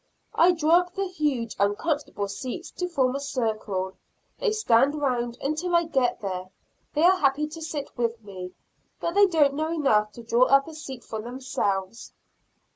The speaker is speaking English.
I draw up the huge, uncomfortable seats to form a circle; they stand round until I get there; they are happy to sit with me, but they don't know enough to draw up a seat for themselves.